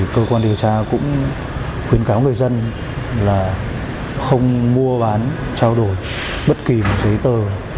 cơ quan điều tra cũng khuyến cáo người dân là không mua bán trao đổi bất kỳ giấy tờ